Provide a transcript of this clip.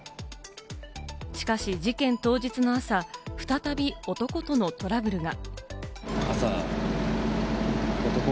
しかし事件当日の朝、再び男とのトラブルが。